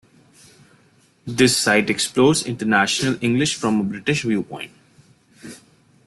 This site explores International English from a British viewpoint.